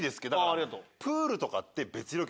ありがとう。